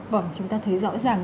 vâng chúng ta thấy rõ ràng